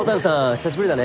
久しぶりだね。